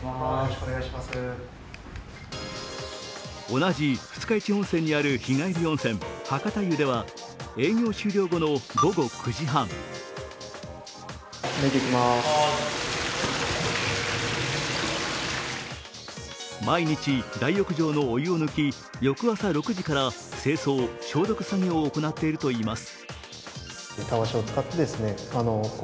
同じ二日市温泉にある日帰り温泉、博多湯では営業終了後の午後９時半毎日、大浴場のお湯を抜き、翌朝６時から清掃・消毒作業を行っているといいます。